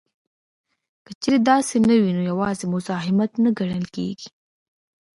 که چېرې داسې نه وي نو یوازې مزاحمت نه ګڼل کیږي